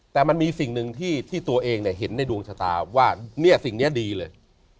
แต่มันมีสิ่งหนึ่งที่ตัวเองเห็นในดวงชะตาว่าเนี่ยสิ่งนี้ดีเลย